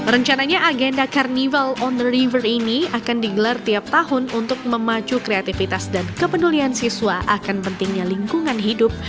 rencananya agenda carnival on the river ini akan digelar tiap tahun untuk memacu kreativitas dan kepedulian siswa akan pentingnya lingkungan hidup